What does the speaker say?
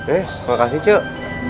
eh makasih cuk